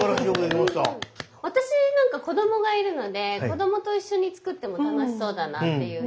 私なんか子供がいるので子供と一緒に作っても楽しそうだなっていう。